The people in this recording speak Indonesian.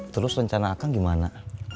terus rencana akan gimana